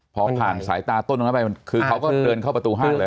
พอผ่านสายตาต้นตรงนั้นไปมันคือเขาก็เดินเข้าประตูห้างเลย